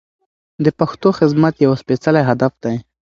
د پښتو خدمت یو سپېڅلی هدف دی.